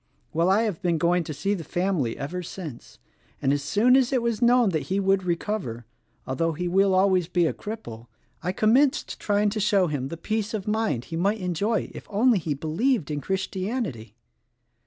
Well, I have been going to see the family ever since, and as soon as it was known that he would recover — although he will always be a cripple — I commenced trying to show him the peace of mind he might enjoy if only he believed in Christianity.